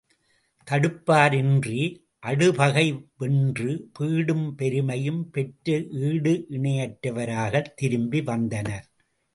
தடுப்பார் இன்றி அடுபகை வென்று பீடும் பெருமையும் பெற்று ஈடு இணையற்றவராகத் திரும்பிவந்தனர்.